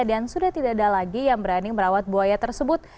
dan sudah tidak ada lagi yang berani merawat buaya tersebut